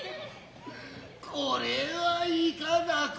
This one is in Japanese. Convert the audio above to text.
これはいかな事。